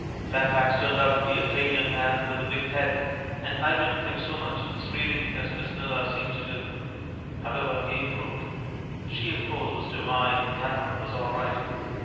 "Fairfax turned out to be a plain young man with a big head, and I didn't think so much of his reading as Miss Millar seemed to do. However, he improved. She, of course, was divine, and Cameron was all right.